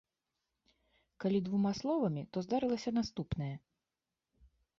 Калі двума словамі, то здарылася наступнае.